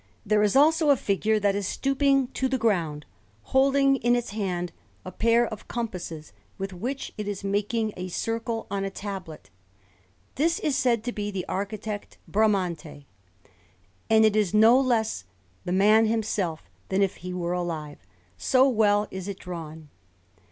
There is also a figure that is stooping to the ground, holding in its hand a pair of compasses, with which it is making a circle on a tablet: this is said to be the architect Bramante, and it is no less the man himself than if he were alive, so well is it drawn.